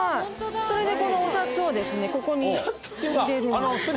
それでこのお札をここに入れるんです。